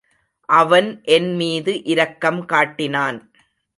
அவன் என் மீது இரக்கம் காட்டினான்.